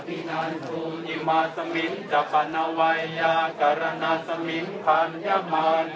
มีผู้ที่ได้รับบาดเจ็บและถูกนำตัวส่งโรงพยาบาลเป็นผู้หญิงวัยกลางคน